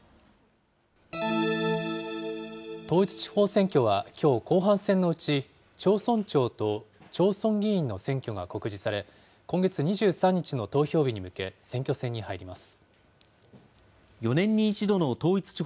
統一地方選挙はきょう、後半戦のうち、町村長と町村議員の選挙が告示され、今月２３日の投票日に向け、選挙戦に入ります。